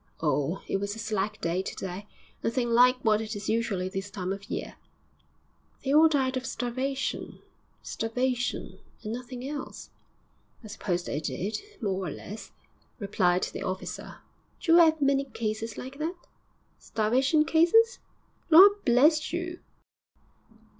'Oh, it was a slack day to day. Nothing like what it is usually this time of year.' 'They all died of starvation starvation, and nothing else.' 'I suppose they did, more or less,' replied the officer. 'D'you 'ave many cases like that?' 'Starvation cases? Lor' bless you!